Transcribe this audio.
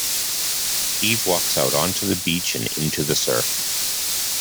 Eve walks out onto the beach and into the surf.